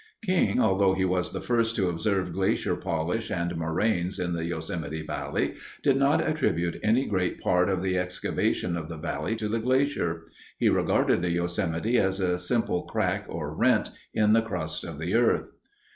King, although he was the first to observe glacier polish and moraines in the Yosemite Valley, did not attribute any great part of the excavation of the valley to the glacier. He regarded the Yosemite as a simple crack or rent in the crust of the earth.